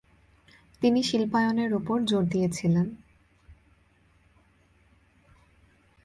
তিনি শিল্পায়নের উপর জোর দিয়েছিলেন।